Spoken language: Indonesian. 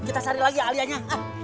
kita cari lagi alianya